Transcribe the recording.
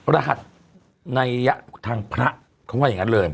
รหัสในระยะทางพระเขาว่าอย่างนั้นเลย